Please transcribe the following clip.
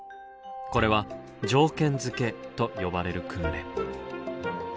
これは「条件付け」と呼ばれる訓練。